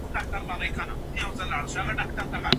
په ټولنه کې باید توپیر او تعصب ونه منل سي.